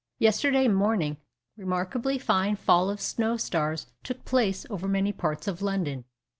_ Yesterday morning a remarkably fine fall of snow stars took place over many parts of London.